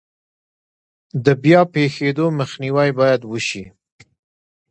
د بیا پیښیدو مخنیوی باید وشي.